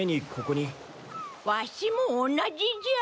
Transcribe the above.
ワシも同じじゃ。